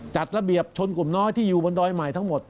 จัดระเบียบชนกลุ่มน้อยที่อยู่บนดอยใหม่ทั้งหมด